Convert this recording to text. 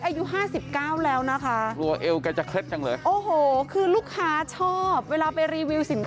นฤทธิ์คุณนิ่มนักข่าวของเรานฤทธิ์ลูกไปฝึกมาใหม่